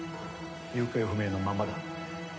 行方不明のままだ。